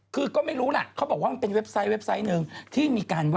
เขาบอกว่าบางคนเนี่ย